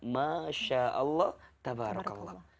masya allah tabarakallah